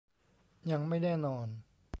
ยังไม่แน่นอน